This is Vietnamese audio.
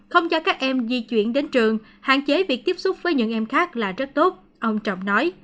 không cho các em di chuyển đến trường hạn chế việc tiếp xúc với những em khác là rất tốt ông trọng nói